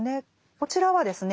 こちらはですね